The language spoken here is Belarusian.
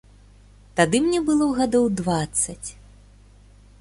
Тады мне было гадоў дваццаць.